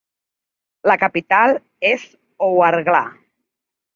La capital és Ouargla.